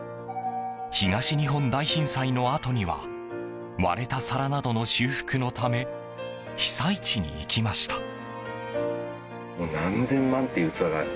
東日本大震災のあとには割れた皿などの修復のため被災地に行きました。